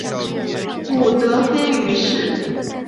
母德妃俞氏。